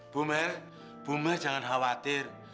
bumer bumer jangan khawatir